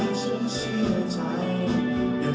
อีกครั้งเลย